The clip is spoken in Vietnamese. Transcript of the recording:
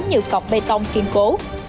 như cọc bê tông kiên cố